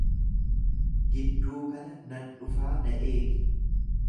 Gidduu kana nan dhufaa na eegi.